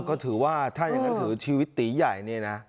ก็ถือว่าถ้าอย่างนั้นถือชีวิตตีใหญ่นี่นะ